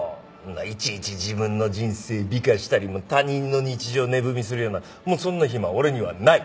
いちいち自分の人生美化したり他人の日常を値踏みするようなもうそんな暇は俺にはない。